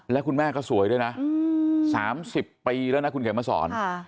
แล้วคุณแม่ก็สวยด้วยนะ๓๐ปีแล้วนะคุณเขียนมาสอน